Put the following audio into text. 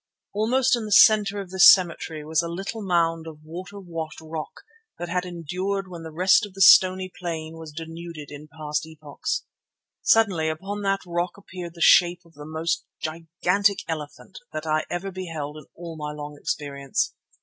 Almost in the centre of this cemetery was a little mound of water washed rock that had endured when the rest of the stony plain was denuded in past epochs. Suddenly upon that rock appeared the shape of the most gigantic elephant that ever I beheld in all my long experience.